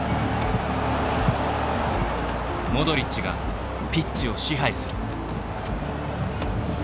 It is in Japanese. モドリッチがピッチを支配する。